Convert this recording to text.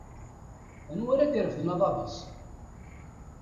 Anwa ara d-irefden aḍad-is?